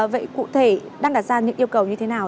vậy cụ thể đang đặt ra những yêu cầu như thế nào